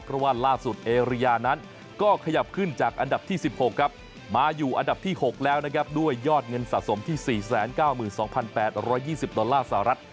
เพราะว่าล่าสุดเอเรียนั้นก็ขยับขึ้นจากอันดับที่๑๖ครับมาอยู่อันดับที่๖แล้วนะครับด้วยยอดเงินสะสมที่๔๙๒๘๒๐ดอลลาร์สหรัฐ